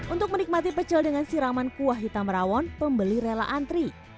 untuk menikmati pecel dengan siraman kuah hitam rawon pembeli rela antri